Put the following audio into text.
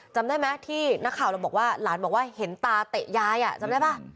จำได้ไหมที่นักข่าวเราบอกว่าหลานบอกว่าเห็นตาเตะยายจำได้ป่ะ